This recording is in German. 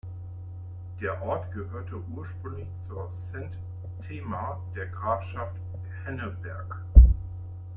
Der Ort gehörte ursprünglich zur Zent Themar der Grafschaft Henneberg.